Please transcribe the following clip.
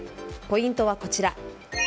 ポイントはこちら。